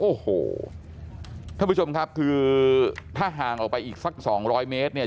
โอ้โหท่านผู้ชมครับคือถ้าห่างออกไปอีกสักสองร้อยเมตรเนี่ย